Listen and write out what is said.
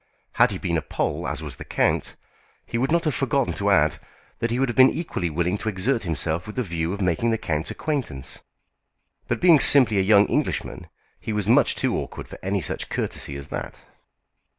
Had he been a Pole as was the count, he would not have forgotten to add that he would have been equally willing to exert himself with the view of making the count's acquaintance; but being simply a young Englishman, he was much too awkward for any such courtesy as that.